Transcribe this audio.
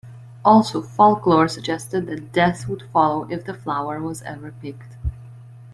Also, folklore suggested that death would follow if the flower was ever picked.